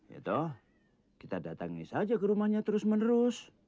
ya toh kita datangi saja ke rumahnya terus menerus